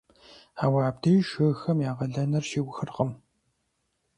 Ауэ абдеж жыгхэм я къалэныр щиухыркъым.